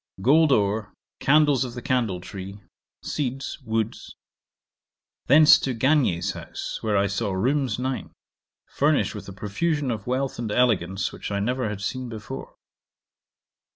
Gold ore. Candles of the candle tree. Seeds. Woods. Thence to Gagnier's house, where I saw rooms nine, furnished with a profusion of wealth and elegance which I never had seen before.